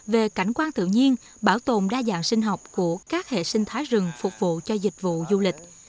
về cảnh quan tự nhiên bảo tồn đa dạng sinh học của các hệ sinh thái rừng phục vụ cho dịch vụ du lịch